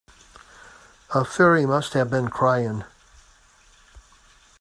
A fairy must have been crying.